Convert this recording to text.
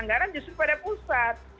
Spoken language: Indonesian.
anggaran justru pada pusat